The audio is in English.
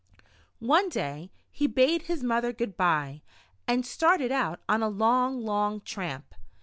One day, he bade his mother good bye, and started out on a long, long tramp.